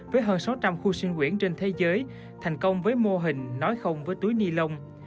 với hơn sáu trăm linh khu sinh quyển trên thế giới thành công với mô hình nói không với túi ni lông